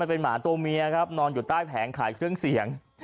เป็นหมาตัวเมียครับนอนอยู่ใต้แผงขายเครื่องเสียง